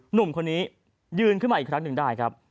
หนุ่มคนนี้ยืนขึ้นมาอีกครั้งหนึ่งได้ครับ